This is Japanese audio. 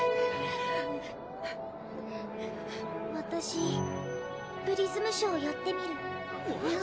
私プリズムショーやってみる。